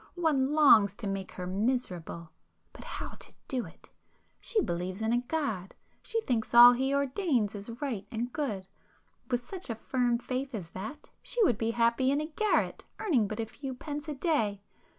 One longs to make her miserable! But how to do it? She believes in a God,—she thinks all He ordains is right and good. With such a firm faith as that, she would be happy in a garret earning but a few pence a day.